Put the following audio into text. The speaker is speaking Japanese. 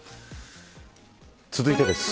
続いてです。